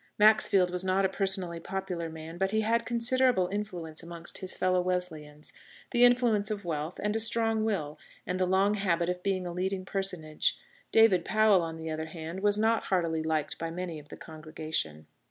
Maxfield was not a personally popular man, but he had considerable influence amongst his fellow Wesleyans; the influence of wealth, and a strong will, and the long habit of being a leading personage. David Powell, on the other hand, was not heartily liked by many of the congregation.